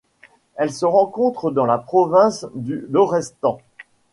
Elle se rencontre dans la province du Lorestan.